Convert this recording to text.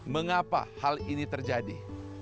mengapa hal ini terjadi